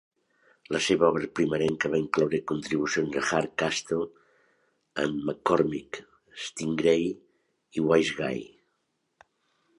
La seva obra primerenca va incloure contribucions a "Hardcastle and McCormick", "Stingray" i "Wiseguy".